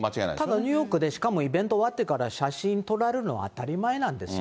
ただ、ニューヨークで、しかもイベント終わってから写真撮られるのは当たり前なんですよ。